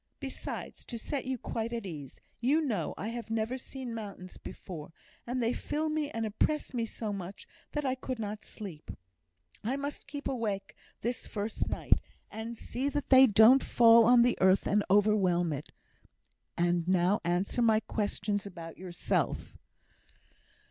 Besides, to set you quite at ease, you know I have never seen mountains before, and they fill me and oppress me so much that I could not sleep; I must keep awake this first night, and see that they don't fall on the earth and overwhelm it. And now answer my questions about yourself."